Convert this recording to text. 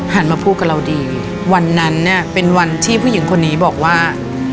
มาพูดกับเราดีวันนั้นเนี่ยเป็นวันที่ผู้หญิงคนนี้บอกว่า